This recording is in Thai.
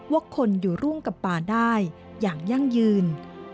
ว่าคนอยู่ร่วมกับป่าได้อย่างยั่งยืน